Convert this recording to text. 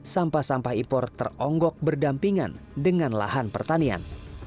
sampah sampah impor teronggok berdampingan dengan lahan pertanian